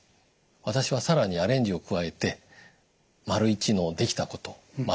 私は更にアレンジを加えて①の「できたこと」